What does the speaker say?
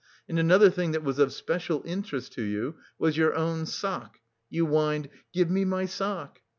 And another thing that was of special interest to you was your own sock. You whined, 'Give me my sock.